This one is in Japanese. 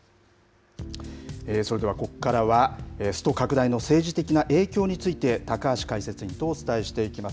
それではここからは、スト拡大の政治的な影響について、高橋解説委員とお伝えしていきます。